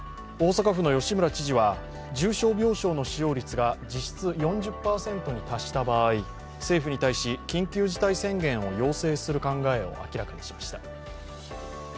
大阪府の吉村知事は重症病床の使用率が実質４０％に達した場合、政府に対し緊急事態宣言を要請する考えを明らかにしました。